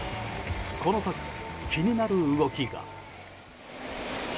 この時、気になる動きが。